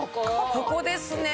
ここですね！